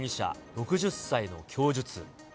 ６０歳の供述。